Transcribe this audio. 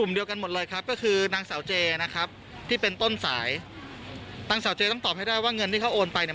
เดียวกันหมดเลยครับก็คือนางสาวเจนะครับที่เป็นต้นสายนางสาวเจต้องตอบให้ได้ว่าเงินที่เขาโอนไปเนี่ย